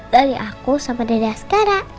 dari aku sama dada sekarang